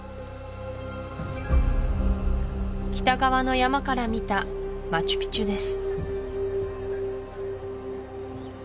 北側の山から見たマチュピチュです